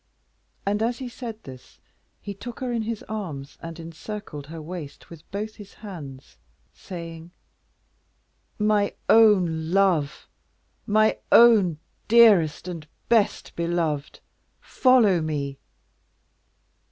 And, as he said this, he took her in his arms, and encircled her waist with both his hands, saying, "My own love! my own dearest and best beloved, follow me."